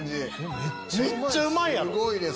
めっちゃうまいやろ。